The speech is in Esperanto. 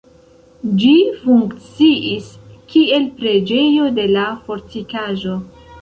Ĝi funkciis, kiel preĝejo de la fortikaĵo.